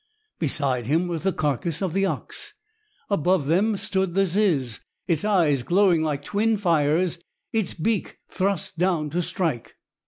Beside him was the carcass of the ox. Above them stood the ziz, its eyes glowing like twin fires, its beak thrust down to strike.